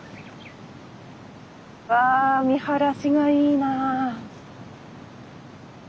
うわ見晴らしがいいな。